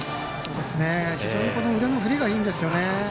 非常に腕の振りがいいんですよね。